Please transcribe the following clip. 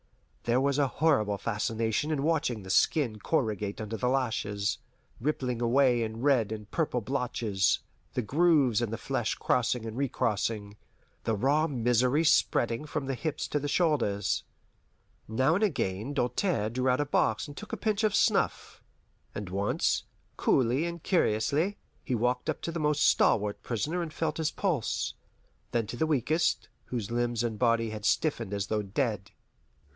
There was a horrible fascination in watching the skin corrugate under the lashes, rippling away in red and purple blotches, the grooves in the flesh crossing and recrossing, the raw misery spreading from the hips to the shoulders. Now and again Doltaire drew out a box and took a pinch of snuff, and once, coolly and curiously, he walked up to the most stalwart prisoner and felt his pulse, then to the weakest, whose limbs and body had stiffened as though dead.